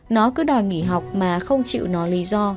nó cứ đòi nghỉ học mà không chịu nó lý do